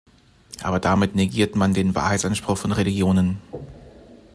Aber damit negiert man den Wahrheitsanspruch von Religionen.